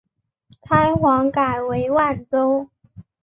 开皇改为万州。